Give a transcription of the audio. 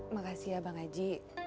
makasih ya bang aji